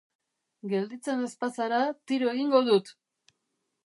Gelditzen ez bazara tiro egingo dut!